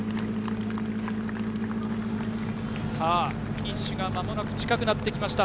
フィニッシュが間もなく近くなってきました。